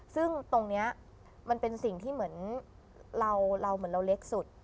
ซึ่งตรงนี้มันเป็นสิ่งที่เหมือนเราเหมือนเราเล็กสุด